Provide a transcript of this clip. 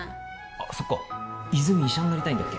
あっそっか泉医者になりたいんだっけ？